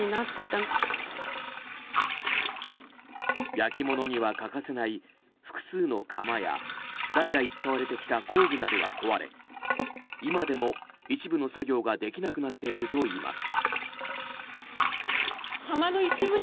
焼き物には欠かせない複数の窯や代々使われてきた工具などが壊れ今でも一部の作業ができなくなっているといいます。